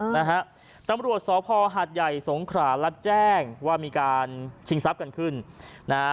นะฮะตำรวจสพหาดใหญ่สงขรารับแจ้งว่ามีการชิงทรัพย์กันขึ้นนะฮะ